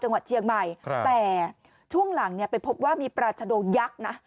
จังหวัดเชียงใหม่แต่ช่วงหลังเนี่ยไปพบว่ามีปราชโยักษ์นะ